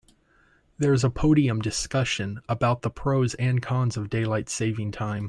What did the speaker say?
There's a podium discussion about the pros and cons of daylight saving time.